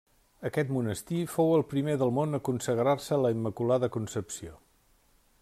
Aquest monestir fou el primer del món a consagrar-se a la Immaculada Concepció.